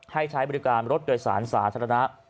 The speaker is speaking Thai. ให้ใช้บริการรถโดยสารสาธารณะ